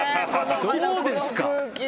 どうですか。